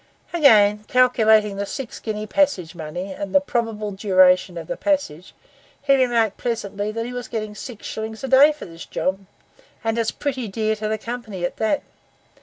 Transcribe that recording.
Again, calculating the six guinea passage money, and the probable duration of the passage, he remarked pleasantly that he was getting six shillings a day for this job, 'and it's pretty dear to the company at that.